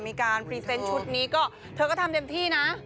มีการพรีเซนต์ชุดนี้ก็เธอก็ทำเต็มที่นะ